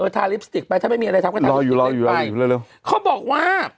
ทาลิปสติกไปถ้าไม่มีอะไรทำก็ทาลิปสติกไปเขาบอกว่า